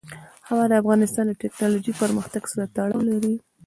هوا د افغانستان د تکنالوژۍ پرمختګ سره تړاو لري.